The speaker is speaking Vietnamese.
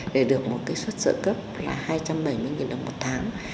để được một suất sợi cấp hai trăm bảy mươi đồng